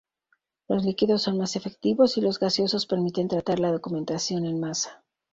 Los líquidos son más efectivos, y los gaseosos permiten tratar la documentación en masa.